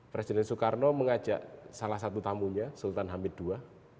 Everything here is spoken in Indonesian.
presiden soekarno mengajak salah satu tamunya sultan hamid ii